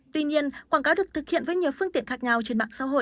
tuy nhiên quảng cáo được thực hiện với nhiều phương tiện khác nhau trên mạng xã hội